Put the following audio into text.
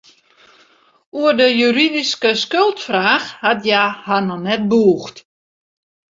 Oer de juridyske skuldfraach hat hja har net bûgd.